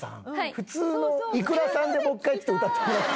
普通のｉｋｕｒａさんでもう一回ちょっと歌ってもらって。